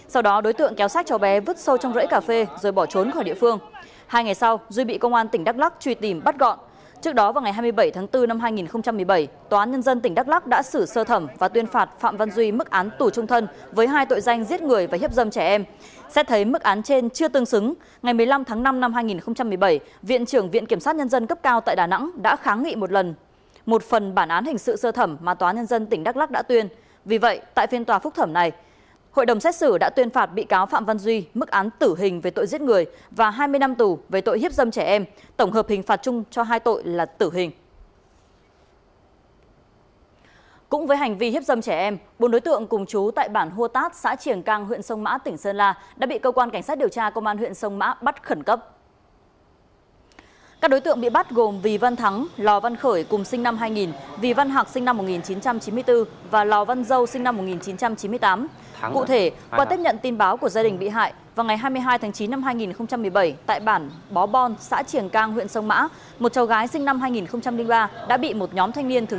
cụ thể qua tiếp nhận tin báo của gia đình bị hại vào ngày hai mươi hai tháng chín năm hai nghìn một mươi bảy tại bản bó bon xã triển cang huyện sông mã một cháu gái sinh năm hai nghìn ba đã bị một nhóm thanh niên thực hiện hành vi hiếp dâm